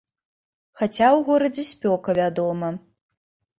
Хаця ў горадзе спёка, вядома.